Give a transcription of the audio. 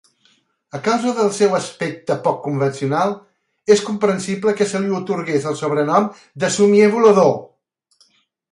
A causa del seu aspecte poc convencional, és comprensible que se li atorgués el sobrenom de "Somier volador".